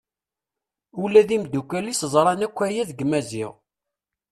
Ula d imddukal-is ẓran akk aya deg Maziɣ.